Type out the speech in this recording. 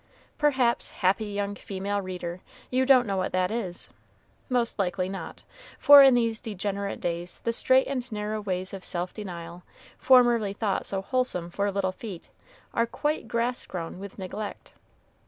Perhaps, happy young female reader, you don't know what that is, most likely not; for in these degenerate days the strait and narrow ways of self denial, formerly thought so wholesome for little feet, are quite grass grown with neglect.